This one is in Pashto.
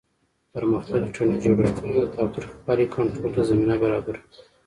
پرمختللي ټولنیز جوړښتونه د تاوتریخوالي کنټرول ته زمینه برابره کړه.